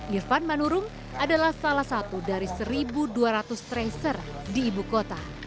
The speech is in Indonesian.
irfan manurung adalah salah satu dari satu dua ratus tracer di ibu kota